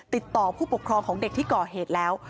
ติดต่อผู้ปกครองของเด็กที่ก่อเหตุแล้ว